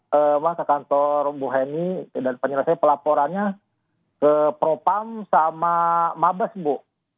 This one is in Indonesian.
saya ke kantor bu heni dan penyelesai pelaporannya ke propam sama mabes bu